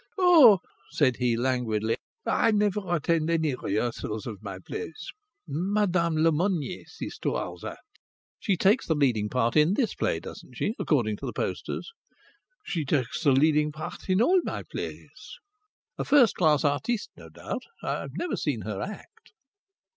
"Oh!" said he, languidly, "I never attend any rehearsals of my plays. Mademoiselle Lemonnier sees to all that." "She takes the leading part in this play, doesn't she, according to the posters?" "She takes the leading part in all my plays," said he. "A first class artiste, no doubt? I've never seen her act."